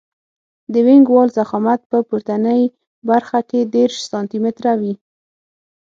د وینګ وال ضخامت په پورتنۍ برخه کې دېرش سانتي متره وي